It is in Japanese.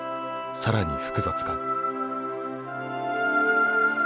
更に複雑化。